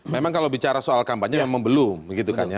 memang kalau bicara soal kampanye memang belum gitu kan ya